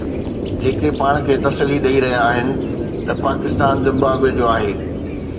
جيڪي پاڻ کي تسلي ڏئي رهيا آهن ته پاڪستان زمبابوي جو آهي